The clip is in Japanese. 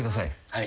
はい。